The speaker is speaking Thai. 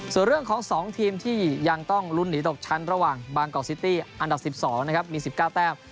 ส่วนเรื่องของ๒ทีมที่ยังต้องลุ้นหนีตกชั้นระหว่างบางกอกซิตี้อันดับ๑๒นะครับมี๑๙แต้ม